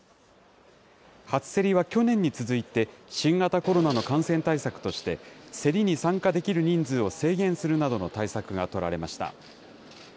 初競りは去年に続いて、新型コロナの感染対策として、競りに参加できる人数を制限するなどの対策が取られました。